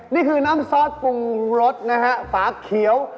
นี่คือน้ำซอสปรุงรสนะฮะฝาเขียว